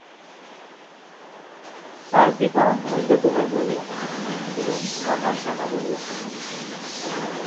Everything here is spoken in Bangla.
তার পিতা নন্দকুমার বড়ুয়া এবং মাতা শ্যামা বড়ুয়া।